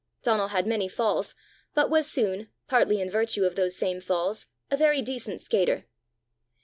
Donal had many falls, but was soon, partly in virtue of those same falls, a very decent skater.